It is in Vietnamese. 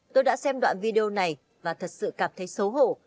tôi đã xem đoạn video này và thật sự cảm thấy xấu hổ